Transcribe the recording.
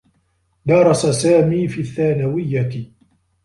درس سامي في الثّانويّة.